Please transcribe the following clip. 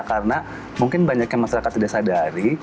karena mungkin banyak yang masyarakat tidak sadari